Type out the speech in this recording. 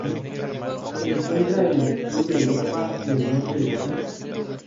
Se encuentra en el sur de Europa y el norte de África.